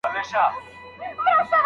د کمال درجو ته رسېدل ټولنيز ژوند غواړي.